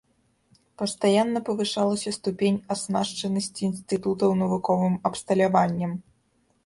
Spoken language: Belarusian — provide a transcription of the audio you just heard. Пастаянна павышалася ступень аснашчанасці інстытутаў навуковым абсталяваннем.